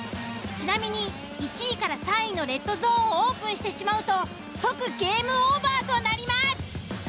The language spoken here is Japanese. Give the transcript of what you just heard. ちなみに１位３位のレッドゾーンをオープンしてしまうと即ゲームオーバーとなります。